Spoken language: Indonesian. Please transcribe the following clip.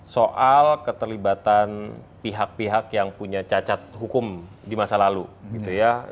soal keterlibatan pihak pihak yang punya cacat hukum di masa lalu gitu ya